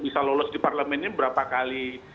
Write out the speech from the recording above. bisa lolos di parlemen ini berapa kali